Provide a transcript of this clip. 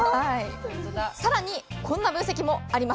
更にこんな分析もあります。